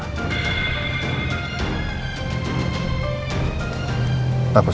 pak bos aku